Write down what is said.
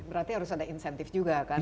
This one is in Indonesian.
berarti harus ada insentif juga kan